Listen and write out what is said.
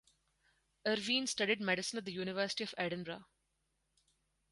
Irvine studied medicine at the University of Edinburgh.